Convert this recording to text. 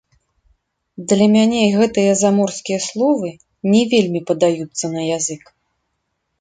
Для мяне гэтыя заморскія словы не вельмі падаюцца на язык.